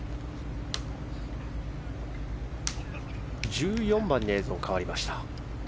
１４番に映像が変わりました。